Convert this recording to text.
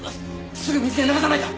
すぐ水で流さないと！